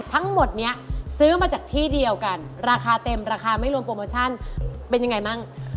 ทั้งหมดนี้ซื้อมาจากที่เดียวกันราคาเต็มราคาไม่รวมโปรโมชั่นเป็นยังไงมั่ง